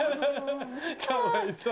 かわいそう。